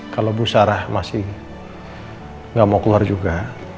kalau bu sarah masih nggak mau keluar juga